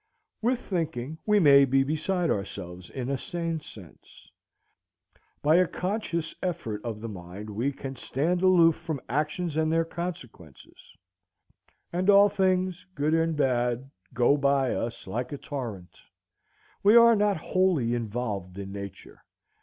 With thinking we may be beside ourselves in a sane sense. By a conscious effort of the mind we can stand aloof from actions and their consequences; and all things, good and bad, go by us like a torrent. We are not wholly involved in Nature.